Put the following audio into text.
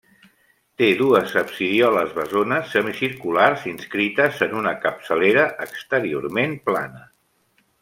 Té dues absidioles bessones semicirculars inscrites en una capçalera exteriorment plana.